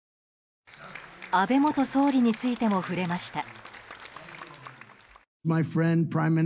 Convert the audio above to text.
安倍元総理についても触れました。